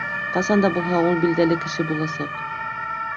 Ҡасан да булһа ул билдәле кеше буласаҡ